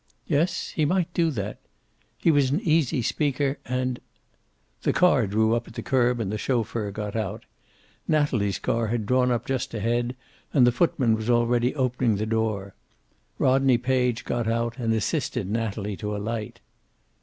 Yes, he might do that. He was an easy speaker, and The car drew up at the curb and the chauffeur got out. Natalie's car had drawn up just ahead, and the footman was already opening the door. Rodney Page got out, and assisted Natalie to alight.